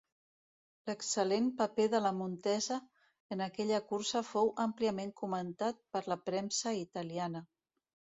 L'excel·lent paper de la Montesa en aquella cursa fou àmpliament comentat per la premsa italiana.